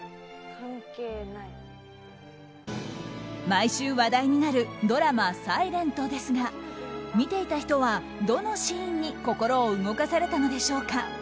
毎週話題になるドラマ「ｓｉｌｅｎｔ」ですが見ていた人は、どのシーンに心を動かされたのでしょうか。